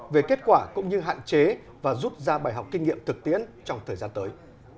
về kết quả cũng như hạn chế và rút ra bài học kinh nghiệm thực tiễn trong thời gian tới